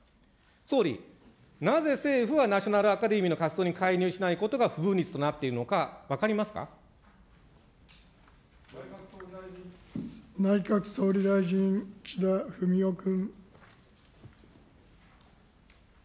総理、なぜ、政府はナショナルアカデミーの活動に介入することが不文律となっ内閣総理大臣、岸田文雄君。